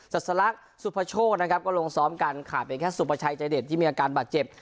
ัสลักษณ์สุพโชคนะครับก็ลงซ้อมกันขาดเป็นแค่สุภาชัยใจเด็ดที่มีอาการบาดเจ็บ